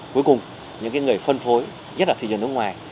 cuối cùng những người phân phối nhất là thị trường nước ngoài